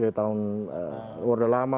dari tahun orde lama